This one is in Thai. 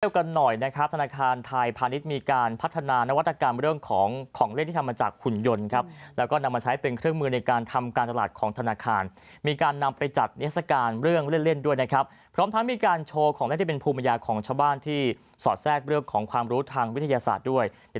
กันหน่อยนะครับธนาคารไทยพาณิชย์มีการพัฒนานวัตกรรมเรื่องของของเล่นที่ทำมาจากหุ่นยนต์ครับแล้วก็นำมาใช้เป็นเครื่องมือในการทำการตลาดของธนาคารมีการนำไปจัดนิทรศการเรื่องเล่นด้วยนะครับพร้อมทั้งมีการโชว์ของเล่นที่เป็นภูมิปัญญาของชาวบ้านที่สอดแทรกเรื่องของความรู้ทางวิทยาศาสตร์ด้วย